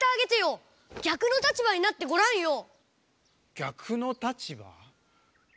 逆の立場？